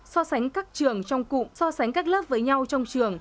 so sánh các trường trong cụm so sánh các lớp với nhau trong trường